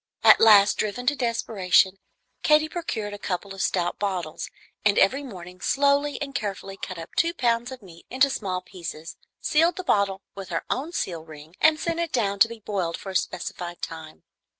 At last, driven to desperation, Katy procured a couple of stout bottles, and every morning slowly and carefully cut up two pounds of meat into small pieces, sealed the bottle with her own seal ring, and sent it down to be boiled for a specified time.